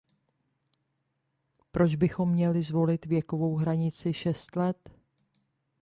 Proč bychom měli zvolit věkovou hranici šest let?